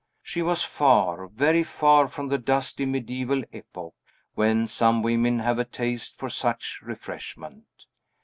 She was far, very far, from the dusty mediaeval epoch, when some women have a taste for such refreshment.